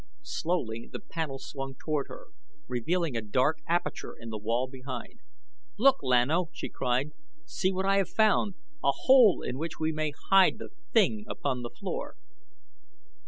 Slowly the panel swung toward her, revealing a dark aperture in the wall behind. "Look, Lan O!" she cried. "See what I have found a hole in which we may hide the thing upon the floor."